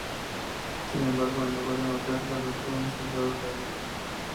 Sin embargo, en lugar de matarla, dos jóvenes soldados la violan.